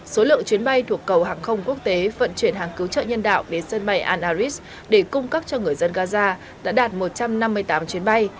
số lượng chuyến bay thuộc cầu hàng không quốc tế vận chuyển hàng cứu trợ nhân đạo đến sân bay al ariz để cung cấp cho người dân gaza đã đạt một trăm năm mươi tám chuyến bay